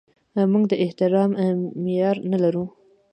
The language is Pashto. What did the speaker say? موږ د احترام معیار نه لرو.